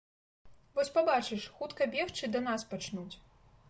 Вось пабачыш, хутка бегчы да нас пачнуць.